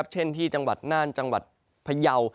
เช่นที่จังหวัดน่านจังหวัดพยาว